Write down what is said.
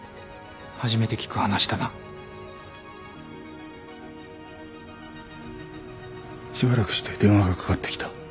初めて聞く話だな。しばらくして電話がかかってきた。